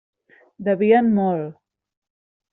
Devien molt.